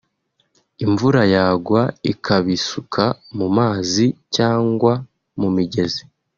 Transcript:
imvura yagwa ikabisuka mu mazi cyangwa mu migezi